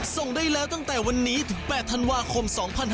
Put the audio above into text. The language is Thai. ส่งได้แล้วตั้งแต่วันนี้ถึง๘ธันวาคม๒๕๖๒